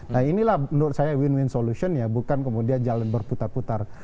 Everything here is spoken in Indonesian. nah inilah menurut saya win win solution ya bukan kemudian jalan berputar putar